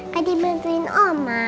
kadi bantuin om ma